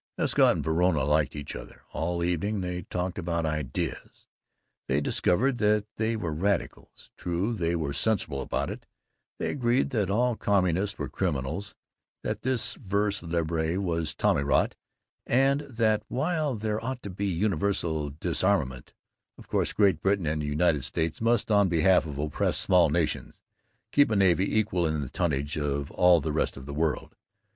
Escott and Verona liked each other. All evening they "talked about ideas." They discovered that they were Radicals. True, they were sensible about it. They agreed that all communists were criminals; that this vers libre was tommyrot; and that while there ought to be universal disarmament, of course Great Britain and the United States must, on behalf of oppressed small nations, keep a navy equal to the tonnage of all the rest of the world.